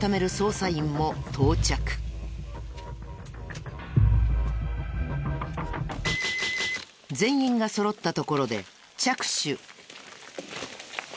全員がそろったところで着手。